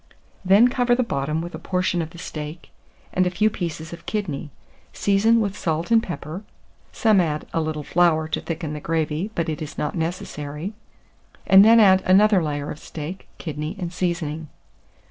Then cover the bottom with a portion of the steak and a few pieces of kidney; season with salt and pepper (some add a little flour to thicken the gravy, but it is not necessary), and then add another layer of steak, kidney, and seasoning.